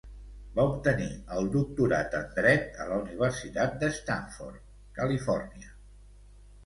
Va obtenir el doctorat en dret a la Universitat de Stanford, Califòrnia.